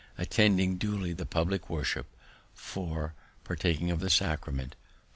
Attending duly the publick worship. 4. Partaking of the Sacrament. 5.